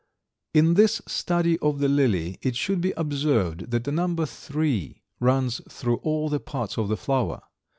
In this study of the lily it should be observed that the number three runs through all the parts of the flower.